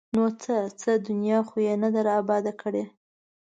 ـ نو څه؟ څه دنیا خو یې نه ده اباد کړې!